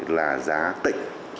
là giá tịnh